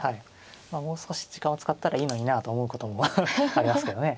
もう少し時間を使ったらいいのになと思うこともありますけどね。